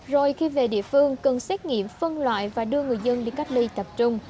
rồi khi về địa phương cần xét nghiệm phân loại và đưa người dân đi cách ly tập trung